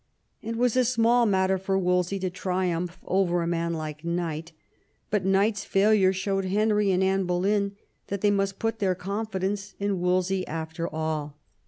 It was a small matter for Wolsey to triumph over a man like Knight ; but Knight's failure showed Henry and Anne Boleyn that they must put their confidence in Wolsey after all.